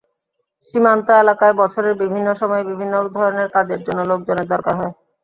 সীমান্ত এলাকায় বছরের বিভিন্ন সময়ে বিভিন্ন ধরনের কাজের জন্য লোকজনের দরকার হয়।